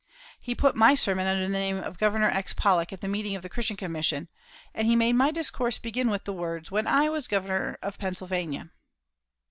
He put my sermon under the name of ex Governor Pollock at the meeting of the Christian Commission, and he made my discourse begin with the words, "When I was Governor of Pennsylvania."